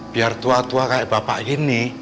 biar tua tua kayak bapak gini